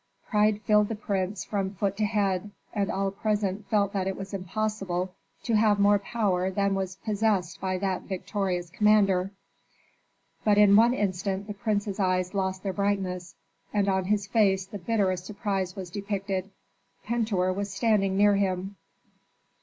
Pride filled the prince from foot to head, and all present felt that it was impossible to have more power than was possessed by that victorious commander. But in one instant the prince's eyes lost their brightness, and on his face the bitterest surprise was depicted. Pentuer was standing near him.